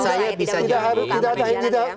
saya tidak bisa jauhi